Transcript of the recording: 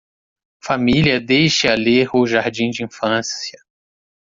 Família deixe-a ler o jardim de infância